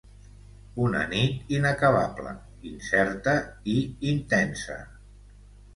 Una nit inacabable, incerta i intensa.